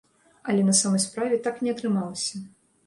Але на самай справе так не атрымалася.